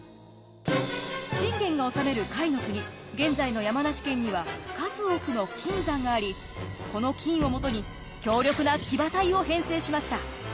信玄が治める甲斐の国現在の山梨県には数多くの金山がありこの金をもとに強力な騎馬隊を編成しました。